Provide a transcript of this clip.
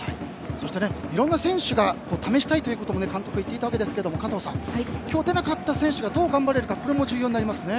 そしていろんな選手を試したいということを監督は言っていましたが加藤さん、今日出なかった選手がどう頑張れるかも重要になりますね。